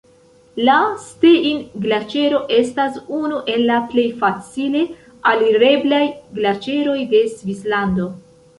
La Stein-Glaĉero estas unu el la plej facile alireblaj glaĉeroj de Svislando.